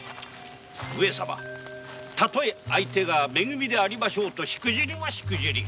上様例えめ組でありましょうとしくじりはしくじり。